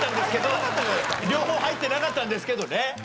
両方入ってなかったんですけどね。